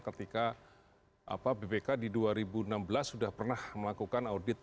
ketika bpk di dua ribu enam belas sudah pernah melakukan audit